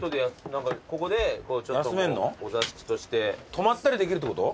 泊まったりできるってこと？